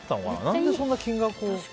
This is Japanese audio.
何でそんな金額を。